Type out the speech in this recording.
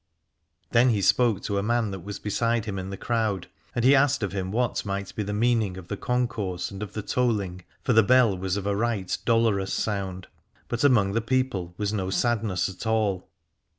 Then he spoke to a man that was beside him in the crowd, and he asked of him what might be the meaning of the concourse and of the tolling : for the bell was of a right dolorous sound, but among the people was no sadness at all.